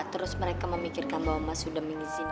terus mereka memikirkan bahwa mas sudah mengizinkan